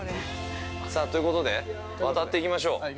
さあ、ということで渡っていきましょう。